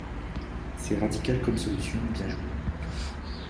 C'est radical comme solution, bien joué.